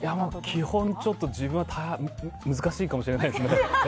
基本ちょっと自分は難しいかもしれないですね。